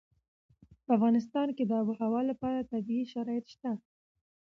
په افغانستان کې د آب وهوا لپاره طبیعي شرایط شته.